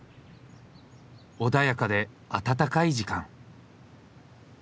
穏やかで温かい時間。